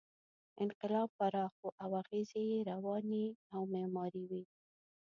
انقلاب پراخ و او اغېز یې رواني او معماري و.